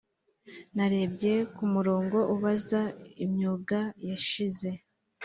narebye kumurongo ubaza imyuga yashize.